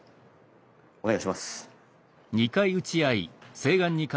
お願いします。